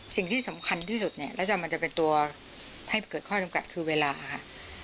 สิ่งที่สำคัญที่สุดเนี่ยแล้วมันจะเป็นตัวให้เกิดข้อจำกัดคือเวลาค่ะ